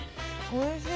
おいしい。